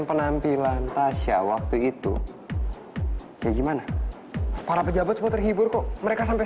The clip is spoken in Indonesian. penampilan tasya waktu itu kayak gimana para pejabat semua terhibur kok mereka sampai